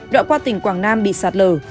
đoạn qua tỉnh quảng nam bị sạt lở